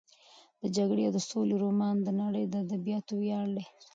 د جګړې او سولې رومان د نړۍ د ادبیاتو ویاړ دی.